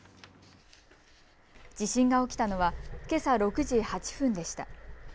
地震が起きたのはけさ６時８分でした。